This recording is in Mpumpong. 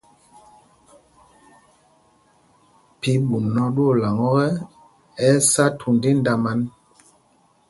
Phī ɛ̂ ɓuu nɔ ɗwoolaŋ ɔ́kɛ, ɛ́ ɛ́ sá thund índamān.